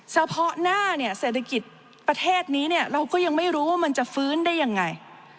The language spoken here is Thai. เฉพาะหน้าเนี่ยเศรษฐกิจประเทศนี้เนี่ยเราก็ยังไม่รู้ว่ามันจะฟื้นได้ยังไง